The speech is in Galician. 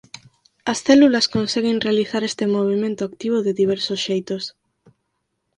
As células conseguen realizar este movemento activo de diversos xeitos.